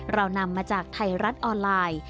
เรานำมาจากไทยรัฐออนไลน์